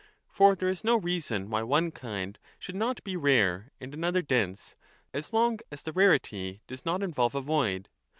3 For there is no reason why one kind should not be rare and another dense, as long as the rarity does not involve a void.